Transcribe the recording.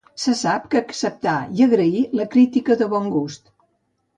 Se sap que acceptà i agraí la crítica de bon gust.